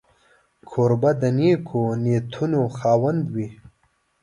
کوربه د نېکو نیتونو خاوند وي.